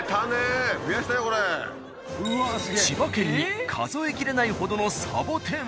千葉県に数えきれないほどのサボテン。